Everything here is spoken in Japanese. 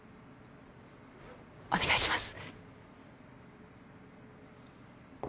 お願いします。